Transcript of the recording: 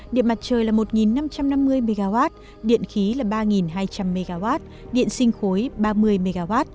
điện mặt trời là một năm trăm năm mươi mw điện khí là ba hai trăm linh mw điện sinh khối ba mươi mw